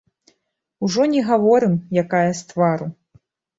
Ужо не гаворым, якая з твару.